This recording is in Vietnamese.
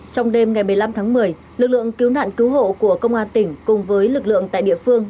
trong đêm ngày một mươi năm tháng một mươi lực lượng cứu nạn cứu hộ của công an tỉnh cùng với lực lượng tại địa phương